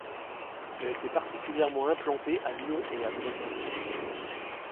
Elle était particulièrement implantée à Lyon et à Grenoble.